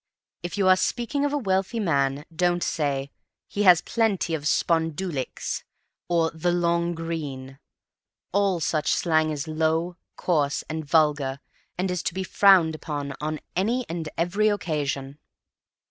If you are speaking of a wealthy man don't say "He has plenty of spondulix," or "the long green." All such slang is low, coarse and vulgar and is to be frowned upon on any and every occasion.